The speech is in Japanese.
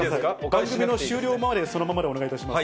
番組の終了までそのままでお願いいたします。